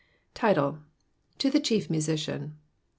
Tetlb. — To the chief Musician.